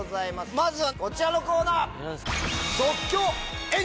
まずこちらのコーナー！